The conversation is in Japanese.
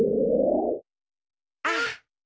あっ。